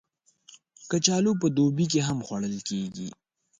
کچالو په دوبی کې هم خوړل کېږي